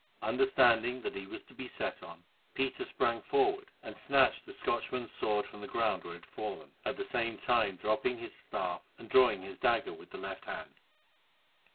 Understanding that he was to be set on, Peter sprang forward and snatched the Scotchman's sword from the ground where it had fallen, at the same time dropping his staff and drawing his dagger with the left hand.